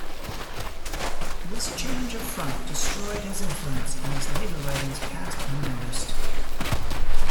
This change of front destroyed his influence and his later writings passed unnoticed.